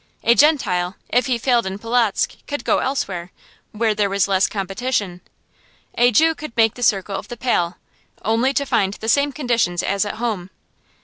A Gentile, if he failed in Polotzk, could go elsewhere, where there was less competition. A Jew could make the circle of the Pale, only to find the same conditions as at home.